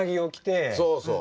そうそう。